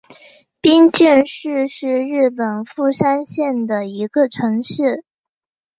冰见市是日本富山县的一个城市。